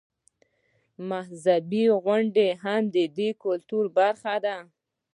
مذهبي غونډې هم د دې کلتور برخه ده.